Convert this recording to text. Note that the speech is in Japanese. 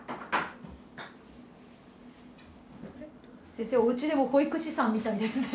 先生おうちでも保育士さんみたいですね。